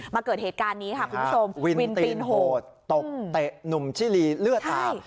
เกิดเหตุการณ์นี้ค่ะคุณผู้ชมวินตีนโหดตบเตะหนุ่มชิลีเลือดอาบ